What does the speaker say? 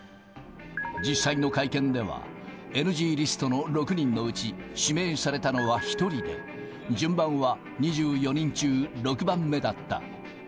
実際の会見では、ＮＧリストの６人のうち指名されたのは１人で、順番は２４人中６番目だった。